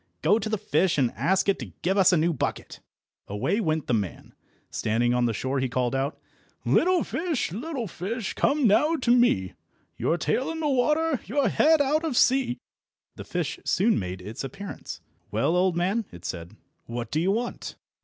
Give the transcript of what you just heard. Go to the fish, and ask it to give us a new bucket." Away went the man. Standing on the shore he called out— "Little fish, little fish, come now to me, Your tail in the water, your head out of sea!" The fish soon made its appearance. "Well, old man," it said, "what do you want?"